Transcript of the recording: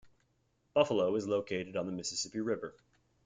Buffalo is located on the Mississippi River.